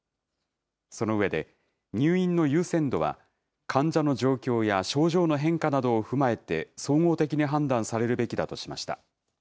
その上で、入院の優先度は、患者の状況や症状の変化などを踏まえて総合的に判断されるべきだとしました。